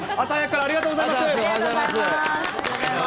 ありがとうございます。